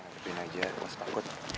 nanti pin aja gak usah takut